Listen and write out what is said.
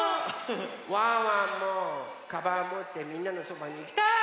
ワンワンもかばんもってみんなのそばにいきたい！